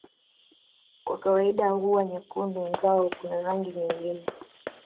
Kwa kawaida huwa nyekundu ingawa kuna rangi nyingine